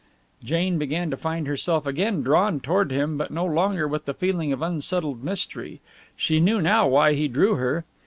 Jane began to find herself again drawn toward him, but no longer with the feeling of unsettled mystery. She knew now why he drew her.